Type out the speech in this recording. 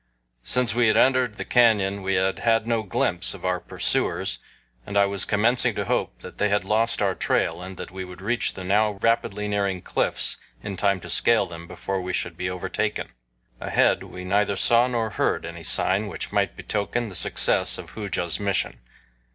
Since we had entered the canyon we had had no glimpse of our pursuers, and I was commencing to hope that they had lost our trail and that we would reach the now rapidly nearing cliffs in time to scale them before we should be overtaken. Ahead we neither saw nor heard any sign which might betoken the success of Hooja's mission.